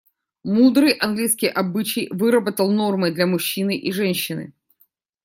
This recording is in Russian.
Мудрый английский обычай выработал нормы для мужчины и женщины.